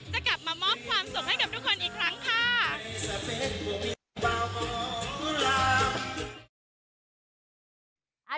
จะกลับมามอบความสุขให้กับทุกคนอีกครั้งค่ะ